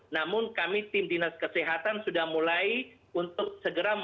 namun kami tim dinas kesehatan sudah mulai untuk segera memperbaiki